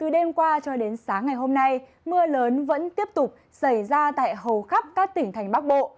đêm qua cho đến sáng ngày hôm nay mưa lớn vẫn tiếp tục xảy ra tại hầu khắp các tỉnh thành bắc bộ